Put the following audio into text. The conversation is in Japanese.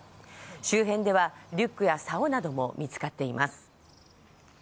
周辺ではリュックやさおなども見つかっています。